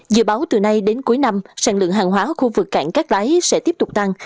dự báo từ nay đến cuối năm sản lượng hàng hóa khu vực cảng cát lái sẽ tiếp tục tăng